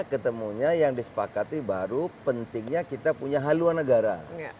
ketemunya yang disepakati baru pentingnya kita punya haluan negara